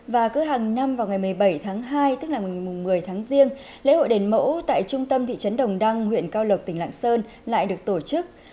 và cứ hàng năm vào ngày một mươi bảy tháng hai tức là ngày một mươi tháng riêng lễ hội đền mẫu tại trung tâm thị trấn đồng đăng huyện cao lộc tỉnh lạng sơn lại được tổ chức